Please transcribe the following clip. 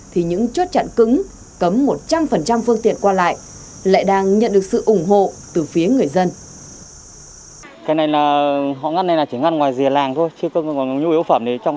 thì những chốt chặn cứng cấm một trăm linh phương tiện qua lại lại đang nhận được sự ủng hộ từ phía người dân